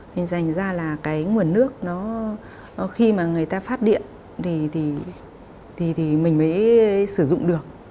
thì dành ra là nguồn nước khi mà người ta phát điện thì mình mới sử dụng được